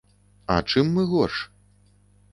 А чым мы горш?